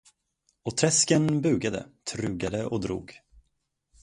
Och Träsken bugade, trugade och drog.